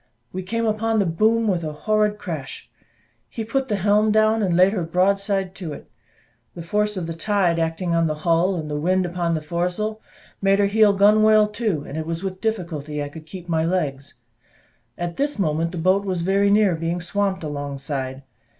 We came upon the boom with a horrid crash; he put the helm down, and laid her broadside to it. The force of the tide acting on the hull, and the wind upon the foresail, made her heel gunwale to, and it was with difficulty I could keep my legs; at this moment, the boat was very near being swamped alongside.